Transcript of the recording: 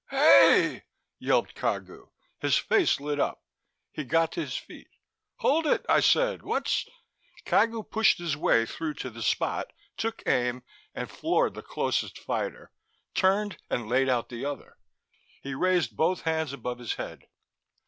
"Hey!" yelped Cagu. His face lit up. He got to his feet. "Hold it," I said. "What's ?" Cagu pushed his way through to the Spot, took aim, and floored the closest fighter, turned and laid out the other. He raised both hands above his head.